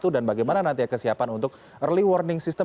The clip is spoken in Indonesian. dan bagaimana nanti kesiapan untuk early warning system